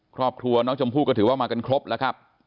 ครอบครัวน้องชมพู่ก็ถือว่ามากันครบแล้วครับ